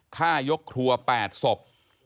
ฆ่ายกครัวแปดศพ